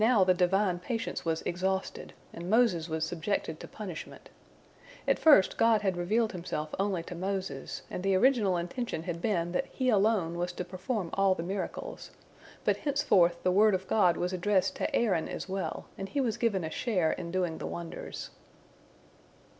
Now the Divine patience was exhausted, and Moses was subjected to punishment. At first God had revealed Himself only to Moses, and the original intention had been that he alone was to perform all the miracles, but henceforth the word of God was addressed to Aaron as well, and he was given a share in doing the wonders.